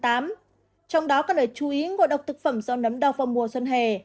trong đó có lời chú ý ngồi độc thực phẩm do nấm đọc vào mùa xuân hề